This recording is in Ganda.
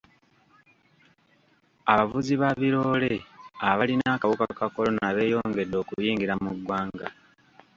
Abavuzi ba biroole abalina akawuka ka kolona beeyongedde okuyingira mu ggwanga.